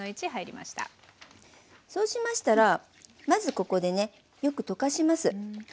そうしましたらまずここでねよく溶かします。